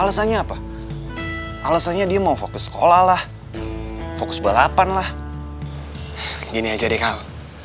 alasannya apa alasannya dia mau fokus sekolah lah fokus balapan lah gini aja deh kak